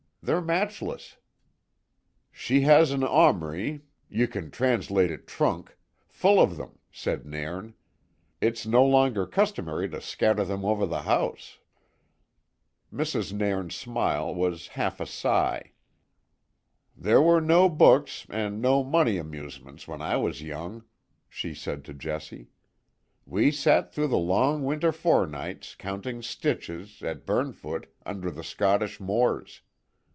They're matchless." "She has an aumrie ye can translate it trunk full of them," said Nairn. "It's no longer customary to scatter them ower the house." Mrs. Nairn's smile was half a sigh. "There were no books, and no mony amusements, when I was young," she said to Jessie. "We sat through the long winter forenights, counting stitches, at Burnfoot, under the Scottish moors.